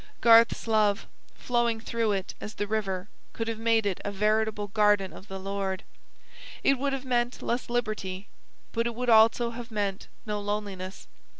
Garth's love, flowing through it, as the river, could have made it a veritable 'garden of the Lord.' It would have meant less liberty, but it would also have meant no loneliness.